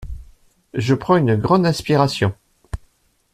Je prends une grande inspiration.